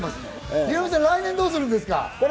ヒロミさん、来年どうするんですか？